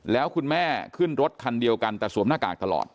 แล้วคุณแม่ขึ้นรถคันเดียวกันแต่สวมหน้ากากตลอด